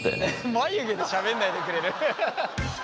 眉毛でしゃべんないでくれる？